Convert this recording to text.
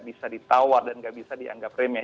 bisa ditawar dan nggak bisa dianggap remeh